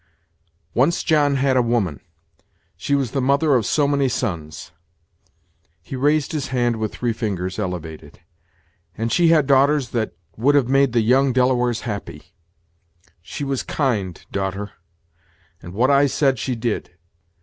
Once John had a woman. She was the mother of so many sons" he raised his hand with three fingers elevated "and she had daughters that would have made the young Delawares happy. She was kind, daughter, and what I said she did.